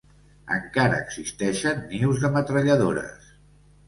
Encara existeixen nius de metralladores.